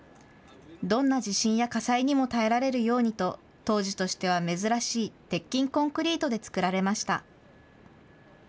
どんな地震や火災にも耐えられるようにと当時としては珍しい鉄筋コンクリートで造られました。